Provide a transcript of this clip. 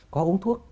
có uống thuốc